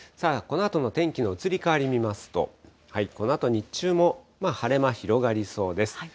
このあとの天気の移り変わり見ますと、このあと日中も晴れ間広がりそうです。